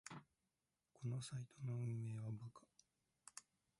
このサイトの運営はバカ